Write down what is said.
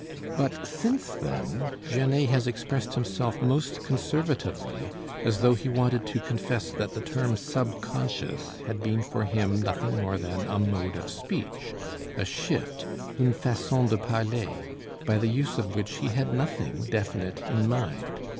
But since then Janet has expressed himself most conservatively, as though he wanted to confess that the term "subconscious" had been for him nothing more than a mode of speech, a shift, "une façon de parler," by the use of which he had nothing definite in mind.